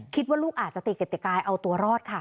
คิดว่าลูกอาจจะตีกติกาเอาตัวรอดค่ะ